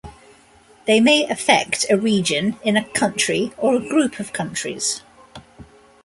They may affect a region in a country or a group of countries.